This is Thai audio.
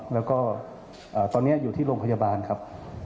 แล้วก็ตอนนี้อยู่ที่โรงพยาบาลครับ